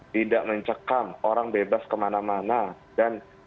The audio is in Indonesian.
tidak mencekam orang bebas kemana mana dan bebas menyampaikan ekspresinya tanpa harus